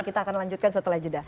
kita akan lanjutkan setelah jeda